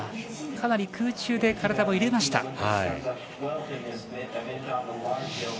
かなり空中で体を入れました。